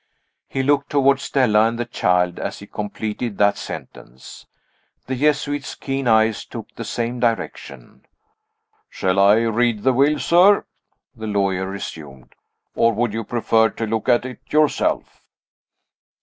He looked toward Stella and the child as he completed that sentence. The Jesuit's keen eyes took the same direction. "Shall I read the will, sir?" the lawyer resumed; "or would you prefer to look at it yourself?"